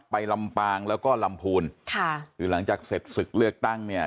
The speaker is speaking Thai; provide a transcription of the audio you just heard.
ลำปางแล้วก็ลำพูนค่ะคือหลังจากเสร็จศึกเลือกตั้งเนี่ย